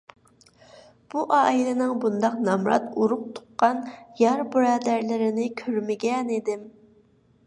بۇ ئائىلىنىڭ بۇنداق نامرات ئۇرۇق - تۇغقان، يار - بۇرادەرلىرىنى كۆرمىگەنىدىم.